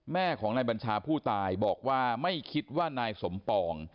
แม่ของนายบัญชาผู้ตายบอกว่าไม่คิดว่านายสมปอง